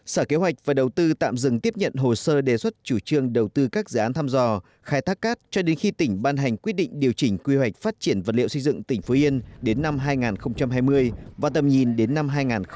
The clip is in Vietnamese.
sở kế hoạch và đầu tư tạm dừng tiếp nhận hồ sơ đề xuất chủ trương đầu tư các dự án thăm dò khai thác cát cho đến khi tỉnh ban hành quyết định điều chỉnh quy hoạch phát triển vật liệu xây dựng tỉnh phú yên đến năm hai nghìn hai mươi và tầm nhìn đến năm hai nghìn ba mươi